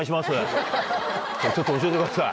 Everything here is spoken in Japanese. ちょっと教えてください。